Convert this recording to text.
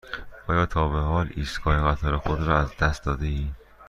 آیا تا به حال ایستگاه قطار خود را از دست داده ای؟